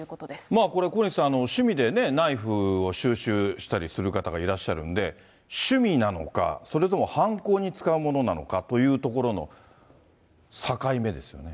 まあこれ、小西さん、趣味でナイフを収集したりする方がいらっしゃるんで、趣味なのか、それとも犯行に使うものなのかというところの境目ですよね。